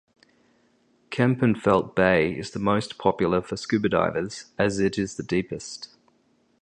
Kempenfelt Bay is the most popular for scuba divers as it is the deepest.